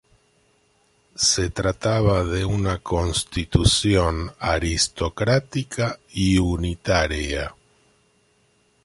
Se trataba de una constitución aristocrática y unitaria.